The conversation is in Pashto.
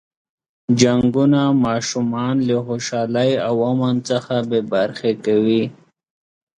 جنګونه ماشومان له خوشحالۍ او امن څخه بې برخې کوي.